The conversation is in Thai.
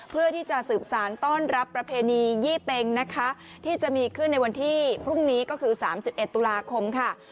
เพื่อที่จะสืบสารต้อนรับประเพณียี่เป็งนะคะที่จะมีขึ้นในวันที่พรุ่งนี้ก็คือ๓๑ตุลาคมค่ะ